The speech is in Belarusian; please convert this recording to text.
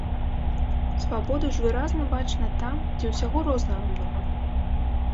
Свабоду ж выразна бачна там, дзе ўсяго рознага многа.